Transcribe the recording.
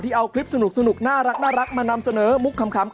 เอาคลิปสนุกน่ารักมานำเสนอมุกขำ